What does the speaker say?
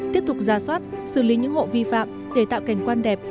tiếp tục ra soát xử lý những hộ vi phạm để tạo cảnh quan đẹp